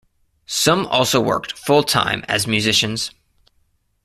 Some also worked full time as musicians.